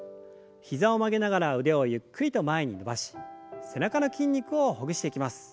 膝を曲げながら腕をゆっくりと前に伸ばし背中の筋肉をほぐしていきます。